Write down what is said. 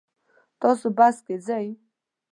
تاسو بس کې ځئ؟